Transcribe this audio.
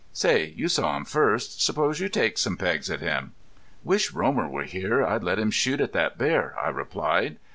Say, you saw him first. Suppose you take some pegs at him." "Wish Romer were here. I'd let him shoot at that bear," I replied.